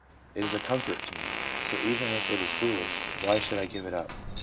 It is a comfort to me, so even if it is foolish, why should I give it up